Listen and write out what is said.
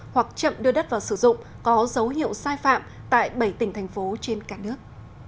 hoặc chậm đưa đất vào sử dụng có dấu hiệu sai phạm tại bảy tỉnh thành phố trên cả nước